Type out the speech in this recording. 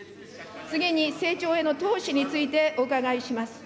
次に成長への投資についてお伺いします。